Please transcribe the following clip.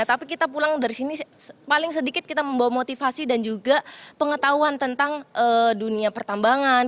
tapi kita pulang dari sini paling sedikit kita membawa motivasi dan juga pengetahuan tentang dunia pertambangan